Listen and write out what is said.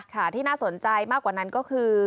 ที่น่าสนใจมากกว่านั้นก็คือ